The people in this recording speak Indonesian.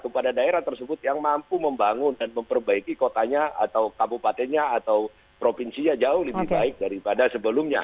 kepada daerah tersebut yang mampu membangun dan memperbaiki kotanya atau kabupatennya atau provinsinya jauh lebih baik daripada sebelumnya